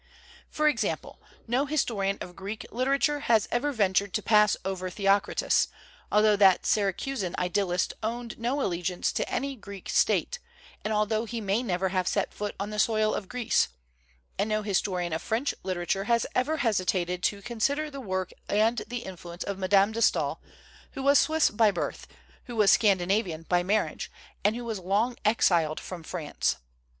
For example, no historian of Greek literature has ever ventured to pass over Theocritus, altho that Syracusan idylHst owed no allegiance to any Greek state, and altho he may never have set foot on the soil of Greece; and no historian of French literature has ever hesitated to con sider the work and the influence of Madame de Stael, who was Swiss by birth, who was Scandi navian by marriage, and who was long exiled from France.